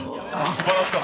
すばらしかった。